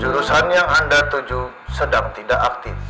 jurusan yang anda tuju sedang tidak aktif